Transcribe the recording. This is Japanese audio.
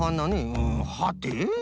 うんはて？